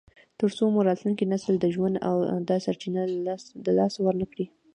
تر څو مو راتلونکی نسل د ژوند دا سرچینه د لاسه ورنکړي.